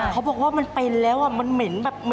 เขาบอกว่ามันเป็นแล้วมันเหม็นแบบ